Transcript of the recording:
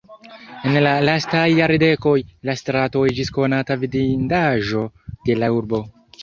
En la lastaj jardekoj, la strato iĝis konata vidindaĵo de la urbo.